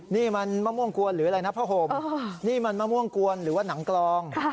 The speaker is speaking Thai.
นี่มันมะม่วงกวนหรืออะไรนะผ้าห่มนี่มันมะม่วงกวนหรือว่าหนังกลอง